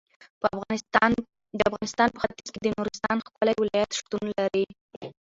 د افغانستان په ختیځ کې د نورستان ښکلی ولایت شتون لري.